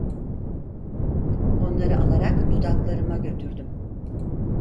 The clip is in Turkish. Onları alarak dudaklarıma götürdüm.